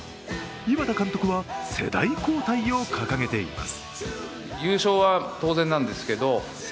井端監督は世代交代を掲げています。